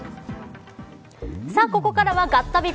ここからはガッタビ！！